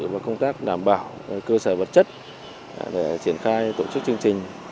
và công tác đảm bảo cơ sở vật chất để triển khai tổ chức chương trình